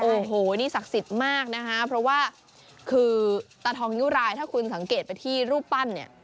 โอ้โหนี่ศักดิ์สิทธิ์มากนะคะเพราะว่าคือตาทองนิ้วรายถ้าคุณสังเกตไปที่รูปปั้นเนี่ย